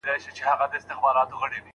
که د پلار خبره ونه منې، پښېمانه به سې.